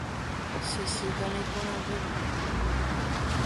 Che chíka la iporãvéva.